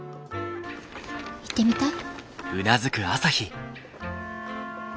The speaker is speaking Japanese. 行ってみたい？